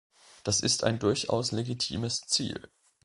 Das ist ein durchaus legitimes Ziel.